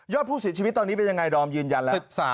ผู้เสียชีวิตตอนนี้เป็นยังไงดอมยืนยันแล้ว